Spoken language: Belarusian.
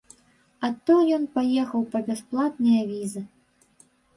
А то ён паехаў па бясплатныя візы.